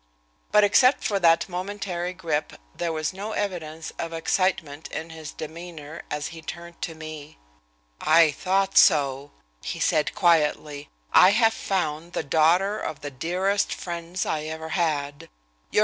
But except for that momentary grip there was no evidence of excitement in his demeanor as he turned to me. "I thought so," he said quietly. "I have found the daughter of the dearest friends I ever had.